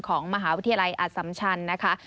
ของมหาวิทยาลัยอสัมชันนะคะ